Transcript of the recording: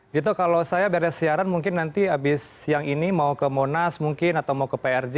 dito kalau saya beres siaran mungkin nanti habis siang ini mau ke monas mungkin atau mau ke prj